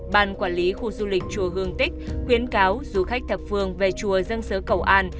ban quản lý khu du lịch chùa hương tích khuyến cáo du khách thập phương về chùa dân sứ cầu an